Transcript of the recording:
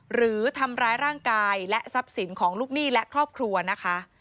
หรือทำร้ายร่างกายและทรัพย์สินของลูกหนี้และครอบครัวนะคะ